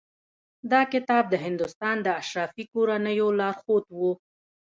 دا کتاب د هندوستان د اشرافي کورنیو لارښود و.